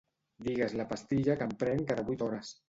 Digues la pastilla que em prenc cada vuit hores.